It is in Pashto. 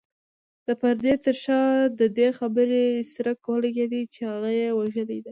د پردې تر شا د دې خبرې څرک ولګېد چې هغه يې وژلې ده.